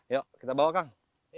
yuk kita bawa kang